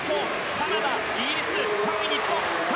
カナダ、イギリス、３位日本。